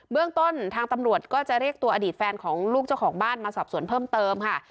เรื่องต้นทางตำรวจก็จะเรียกตัวอดีตแฟนของลูกเจ้าของบ้านมาสอบสวนเพิ่มเติมค่ะ